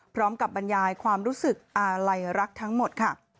บรรยายความรู้สึกอาลัยรักทั้งหมดค่ะ